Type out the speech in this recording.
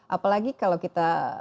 apalagi kalau kita